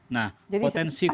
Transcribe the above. nah potensi kuasa